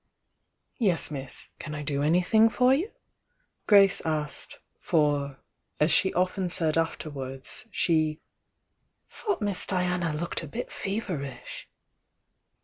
"Yes, miss. Can I do anything for you?" Grace asked, for, as she ofttn said afterwards, she "thought Miss Diana looked a bit feverish."